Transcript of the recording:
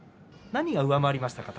何が上回りましたか？